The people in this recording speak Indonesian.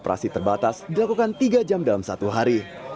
operasi terbatas dilakukan tiga jam dalam satu hari